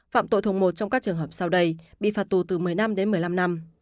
phạm tội thuộc một trong các trường hợp sau đây bị phạt tù từ một mươi năm đến một mươi năm năm